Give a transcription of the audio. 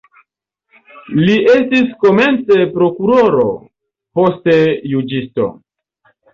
Li estis komence prokuroro, poste juĝisto.